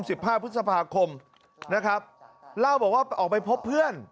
สิบห้าพฤษภาคมนะครับเล่าบอกว่าออกไปพบเพื่อน